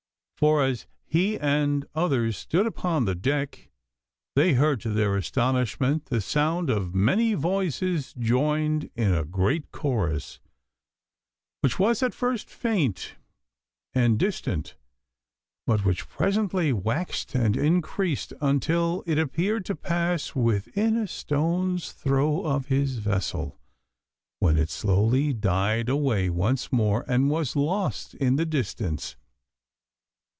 For as he and others stood upon the deck, they heard to their astonishment the sound of many voices joined in a great chorus, which was at first faint and distant, but which presently waxed and increased until it appeared to pass within a stone throw of his vessel, when it slowly died away once more and was lost in the distance.